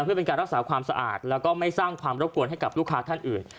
เพื่อเป็นการรักษาความสะอาดแล้วก็ไม่สร้างความรบกวนให้กับลูกค้าท่านอื่น